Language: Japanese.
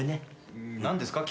何ですか？